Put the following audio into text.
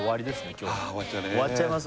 今日は終わっちゃいます